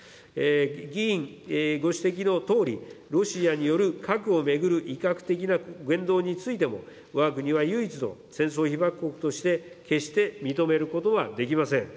議員ご指摘のとおり、ロシアによる核を巡る威嚇的な言動についても、わが国は唯一の戦争被爆国として、決して認めることはできません。